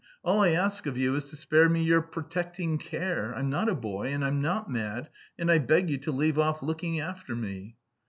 All I ask of you is to spare me your protecting care. I'm not a boy, and I'm not mad, and I beg you to leave off looking after me."